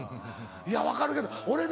いや分かるけど俺ね